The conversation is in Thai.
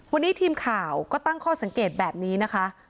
วันนี้ทีมข่าวก็ตั้งข้อสังเกตแบบนี้นะคะ